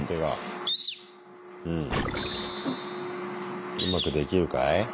うまくできるかい？